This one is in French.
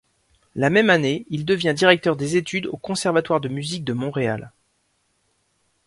La même année, il devient directeur des études au Conservatoire de musique de Montréal.